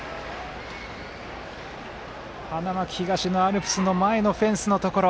花巻東のアルプスの前のフェンスのところ。